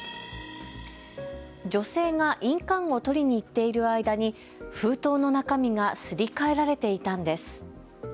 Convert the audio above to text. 女性が印鑑を取りに行っている間に封筒の中身がすり替えられていたんです。